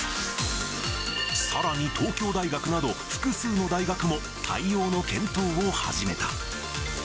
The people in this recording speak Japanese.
さらに東京大学など複数の大学も、対応の検討を始めた。